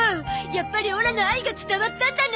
やっぱりオラの愛が伝わったんだね。